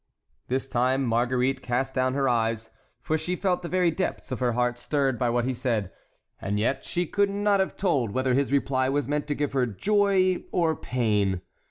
This time Marguerite cast down her eyes, for she felt the very depths of her heart stirred by what he said, and yet she could not have told whether his reply was meant to give her joy or pain.